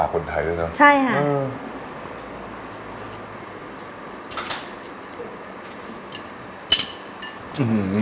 คนไทยด้วยเนอะใช่ค่ะ